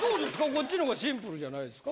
こっちの方がシンプルじゃないですか？